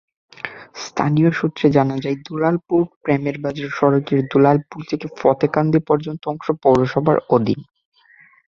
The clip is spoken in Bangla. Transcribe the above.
স্থানীয় সূত্রে জানা যায়, দুলালপুর-প্রেমেরবাজার সড়কের দুলালপুর থেকে ফতেকান্দি পর্যন্ত অংশ পৌরসভার অধীন।